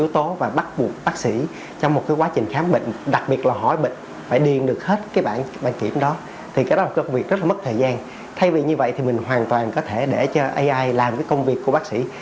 thay vì như vậy thì mình hoàn toàn có thể để cho ai làm cái công việc của bác sĩ